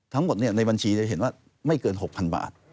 ทั้งหมดในบัญชีจะเห็นว่าไม่เกิน๖๐๐๐บาท